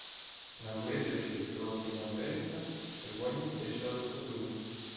Наблизившись кроків на триста, червоні стишили ходу.